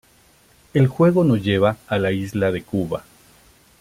El juego nos lleva a la isla de Cuba.